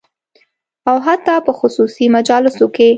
او حتی په خصوصي مجالسو کې